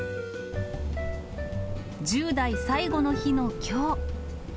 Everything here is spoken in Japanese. １０代最後の日のきょう。